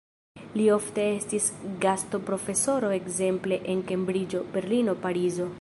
Li ofte estis gastoprofesoro ekzemple en Kembriĝo, Berlino, Parizo.